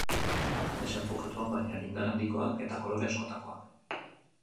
Desenfokatuak, baina indar handikoak eta kolore askotakoak.